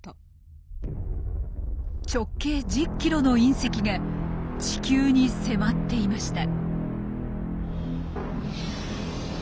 直径１０キロの隕石が地球に迫っていました。